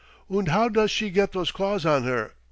"Und how does she get those claws on her?"